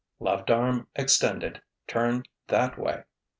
"Left arm extended! Turn that way!"